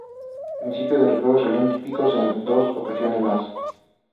Participó en los Juegos Olímpicos en dos ocasiones más.